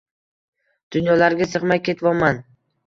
Duynolarga sig'miy ketvomman.